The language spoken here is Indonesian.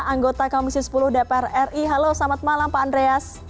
anggota komisi sepuluh dpr ri halo selamat malam pak andreas